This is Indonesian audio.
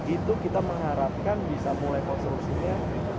itu kita mengharapkan bisa mulai konstruksinya dua ribu dua puluh